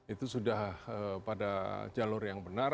itu sudah pada jalur yang benar